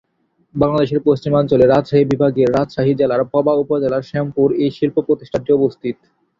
বাংলাদেশের পশ্চিমাঞ্চলের রাজশাহী বিভাগের রাজশাহী জেলার পবা উপজেলার শ্যামপুর এই শিল্প প্রতিষ্ঠানটি অবস্থিত।